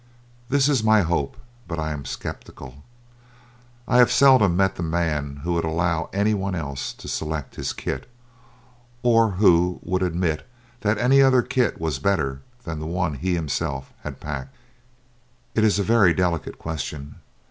That is my hope, but I am sceptical. I have seldom met the man who would allow any one else to select his kit, or who would admit that any other kit was better than the one he himself had packed. It is a very delicate question.